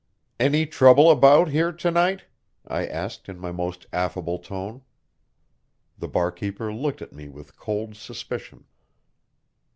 "Any trouble about here to night?" I asked in my most affable tone. The barkeeper looked at me with cold suspicion.